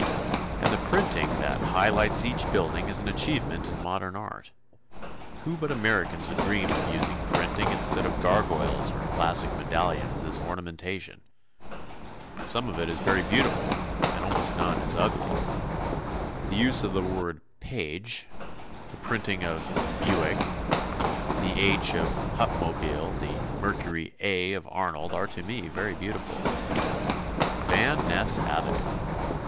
And the printing that high lights each building is an achievement in modern art. Who but Americans would dream of using printing instead of gargoyles or classic medallions as ornamentation. Some of it is very beautiful and almost none is ugly. The use of the word "Paige," the printing of "Buick," the "H" of Hupmobile, the Mercury "A" of Arnold are to me very beautiful. Van Ness avenue.